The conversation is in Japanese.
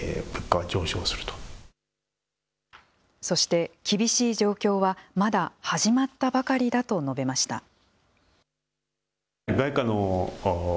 そして厳しい状況はまだ始まったばかりだと述べました。